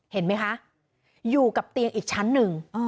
เห็นไหมคะอยู่กับเตียงอีกชั้นหนึ่ง